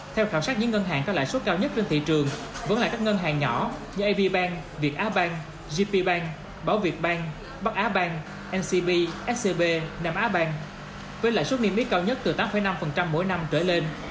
theo khảo sát những ngân hàng có lãi suất cao nhất trên thị trường vẫn là các ngân hàng nhỏ như avibank viet á bank gp bank bảo việt bank bắc á bang ncb scb nam á bang với lãi suất niêm yết cao nhất từ tám năm mỗi năm trở lên